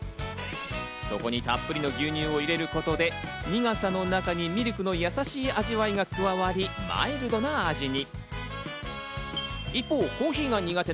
そこにたっぷりの牛乳を入れることで、苦さの中にミルクのやさしい味わいが加わり、マイルドな味に。